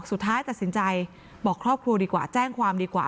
สุดท้ายตัดสินใจบอกครอบครัวดีกว่าแจ้งความดีกว่า